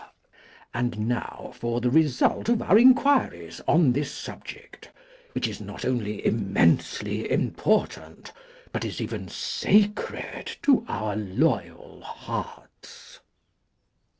And now for the result of our inquiries on this subject, which is not only immensely important, but is even sacred to our loyal hearts.